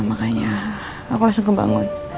makanya aku langsung kebangun